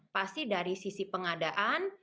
pasti dari sisi pengadaan